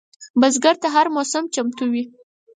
بزګر ته هره موسم چمتو وي